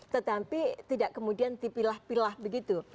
tetapi tidak kemudian dipilah pilah begitu